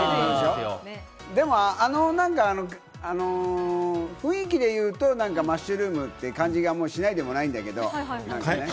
でも、雰囲気で言うとマッシュルームって感じがしないでもないんだけれども。